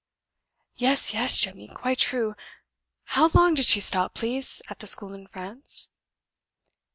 "Yes, yes, Jemmy; quite true. How long did she stop, please, at the school in France?"